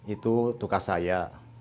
itu tukar saya